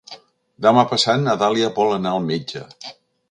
Demà passat na Dàlia vol anar al metge.